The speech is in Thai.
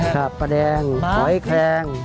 กาลาดแดงหอยแคลง